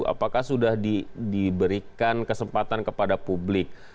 apakah sudah diberikan kesempatan kepada publik